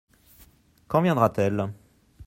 Quand viendra-t-elle ?